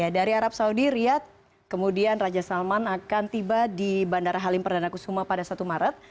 dari arab saudi riyad kemudian raja salman akan tiba di bandara halim perdana kusuma pada satu maret